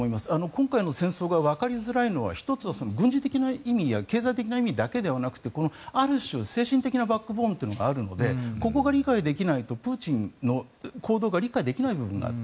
今回の戦争がわかりづらいのは１つは軍事的な意味や経済的な意味だけでなくある種、精神的なバックボーンというのがあるのでここが理解できないとプーチンの行動が理解できない部分がある。